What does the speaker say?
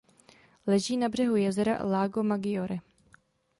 Leží na břehu jezera Lago Maggiore.